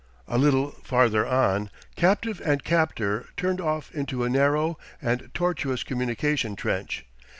A little farther on captive and captor turned off into a narrow and tortuous communication trench.